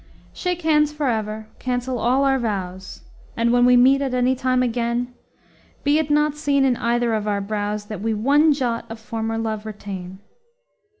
Shake hands for ever, cancel all our vows, And when we meet at any time again Be it not seen in either of our brows That we one jot of former love retain.